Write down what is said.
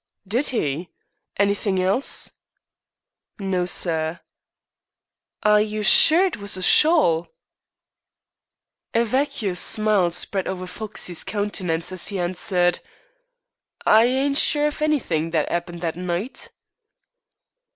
"Did he? Anything else?" "No, sir." "Are you sure it was a shawl?" A vacuous smile spread over Foxey's countenance as he answered, "I ain't sure of anythink that 'appened that night."